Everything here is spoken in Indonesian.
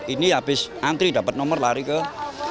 ini habis antri dapat nomor lari ke